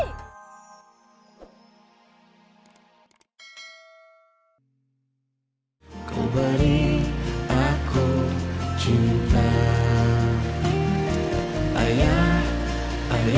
enggak belum telat ya sayangnya